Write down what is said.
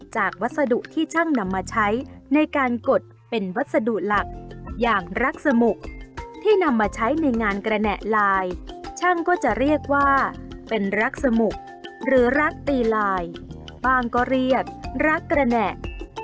วัสดุที่ช่างนำมาใช้ในการกดเป็นวัสดุหลักอย่างรักสมุกที่นำมาใช้ในงานกระแหน่ลายช่างก็จะเรียกว่าเป็นรักสมุกหรือรักตีลายบ้างก็เรียกรักกระแหน่